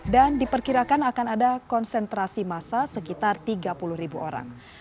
dan diperkirakan akan ada konsentrasi masa sekitar tiga puluh orang